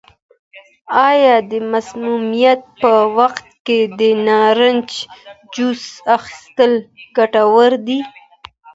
آیا د مسمومیت په وخت کې د نارنج جوس څښل ګټور دي؟